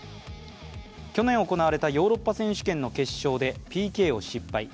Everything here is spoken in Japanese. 去年行われたヨーロッパ選手権の決勝でＰＫを失敗。